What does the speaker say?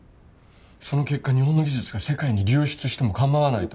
その結果日本の技術が世界に流出しても構わないと？